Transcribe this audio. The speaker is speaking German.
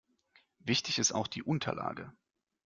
Wichtig ist auch die Unterlage.